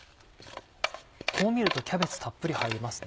こう見るとキャベツたっぷり入りますね。